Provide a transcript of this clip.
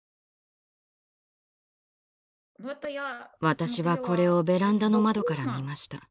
私はこれをベランダの窓から見ました。